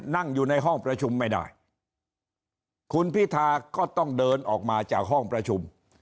นั่งอยู่ในห้องประชุมไม่ได้คุณพิธาก็ต้องเดินออกมาจากห้องประชุม